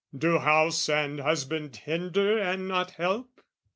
"Do house and husband hinder and not help?